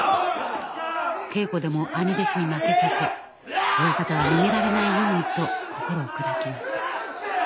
稽古でも兄弟子に負けさせ親方は逃げられないようにと心を砕きます。